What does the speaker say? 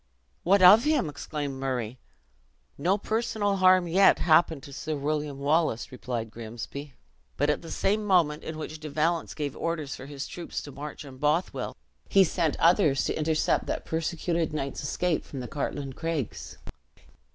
"What of him?" exclaimed Murray. "No personal harm yet happened to Sir William Wallace," replied Grimsby; "but at the same moment in which De Valence gave orders for his troops to march on Bothwell, he sent others to intercept that persecuted knight's escape from the Cartlane Craigs."